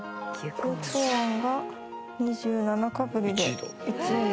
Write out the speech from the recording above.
休耕庵が２７かぶりで１位に。